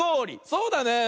そうだね。